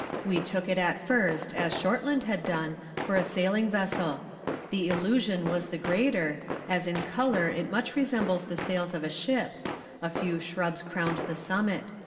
We took it at first, as Shortland had done, for a sailing vessel. The illusion was the greater, as in colour it much resembles the sails of a ship; a few shrubs crowned the summit.